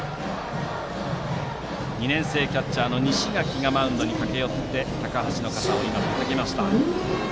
２年生キャッチャーの西垣がマウンドに駆け寄り高橋の肩をたたきました。